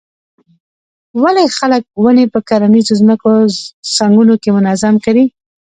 ولې خلک ونې په کرنیزو ځمکو څنګونو کې منظم کري.